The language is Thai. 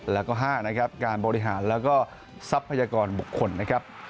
แล้วก็๕นะครับการบริหารแล้วก็ทรัพยากรบุคคลนะครับ